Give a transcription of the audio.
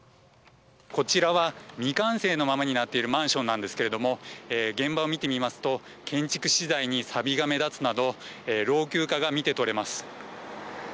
こちらは未完成のままになっているマンションなんですけれども現場を見てみますと建築資材にさびが目立つなど老朽化が見て取れます。